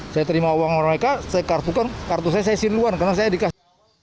saya terima uang mereka saya kartu kan kartu saya siluan karena saya dikasih